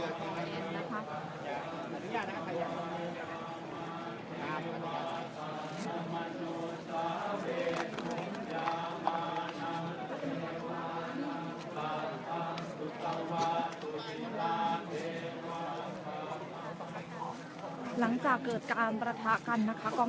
มีผู้ที่ได้รับบาดเจ็บและถูกนำตัวส่งโรงพยาบาลเป็นผู้หญิงวัยกลางคน